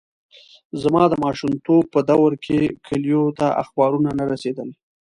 زما د ماشومتوب په دوره کې کلیو ته اخبارونه نه رسېدل.